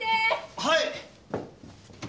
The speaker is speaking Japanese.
はい！